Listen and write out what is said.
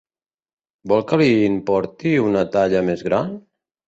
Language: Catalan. Vol que li'n porti una talla més gran?